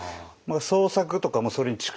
創作とかもそれに近い。